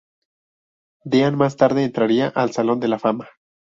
Dean más tarde entraría al Salón de la Fama.